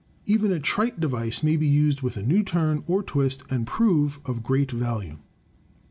Even a trite device may be used with a new turn or twist and prove of great value.